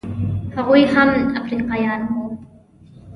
هغوی هم افریقایان وو.